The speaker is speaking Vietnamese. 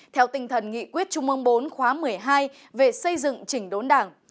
theo tinh thần nghị quyết trung ương bốn khóa một mươi hai về xây dựng chỉnh đốn đảng